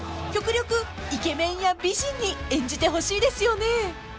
［極力イケメンや美人に演じてほしいですよね］